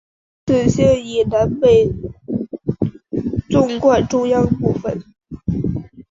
此线以南北纵贯中央部分。